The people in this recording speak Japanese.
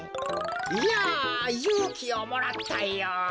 いやゆうきをもらったよ。